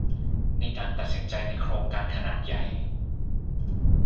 ในการตัดสินใจในโครงการขนาดใหญ่